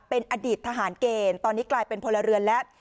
เป็นอดีตทหารเกณฑ์ตอนนี้กลายเป็นพลเรือนแล้ว